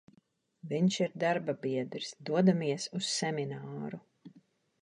Vinš ir darbabiedrs, dodamies uz semināru.